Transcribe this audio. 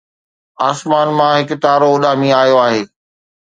آسمان مان هڪ تارو اڏامي آيو آهي